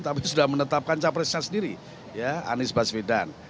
tapi sudah menetapkan capresnya sendiri anies basvidan